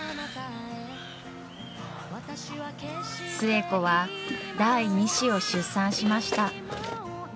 ・寿恵子は第２子を出産しました。